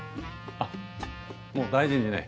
あっもう大事にね